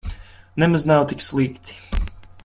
Nav nemaz tik slikti.